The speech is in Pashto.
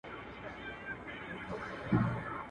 جهاني کله له ډیوو سره زلمي را وزي.